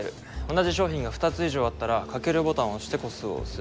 同じ商品が２つ以上あったらかけるボタンを押して個数を押す。